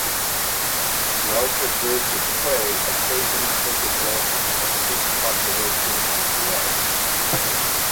Larger birds of prey occasionally take advantage of this population as well.